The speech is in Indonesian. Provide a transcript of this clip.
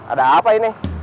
ada apa ini